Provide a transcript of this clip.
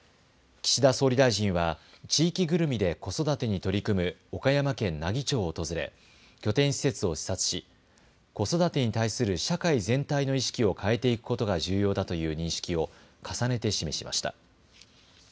岸田総理大臣は地域ぐるみで子育てに取り組む岡山県奈義町を訪れ拠点施設を視察し、子育てに対する社会全体の意識を変えていくことが重要だという認識を重ねて示しました。